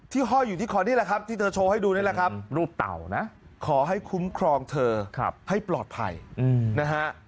ห้อยอยู่ที่คอนี่แหละครับที่เธอโชว์ให้ดูนี่แหละครับรูปเต่านะขอให้คุ้มครองเธอให้ปลอดภัยนะฮะ